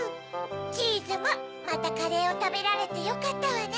チーズもまたカレーをたべられてよかったわね。